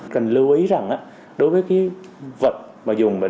cần lưu ý rằng đối với cái vật mà dùng là để